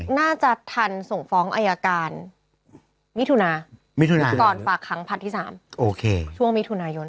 เขาบอกน่าจะทันส่งฟ้องอายการมิถุนาตอนฝากครั้งพัฒน์ที่๓ช่วงมิถุนายน